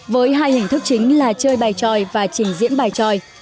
với hai hình thức chính là chơi bài tròi và trình diễn bài tròi